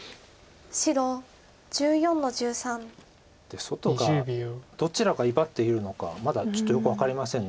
で外がどちらが威張っているのかまだちょっとよく分かりません。